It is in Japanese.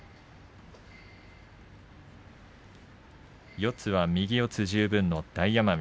四つは右四つ十分の大奄美。